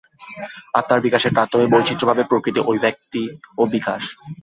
আত্মার বিকাশের তারতম্যেই বিচিত্রভাবে প্রকৃতির অভিব্যক্ত ও বিকাশ।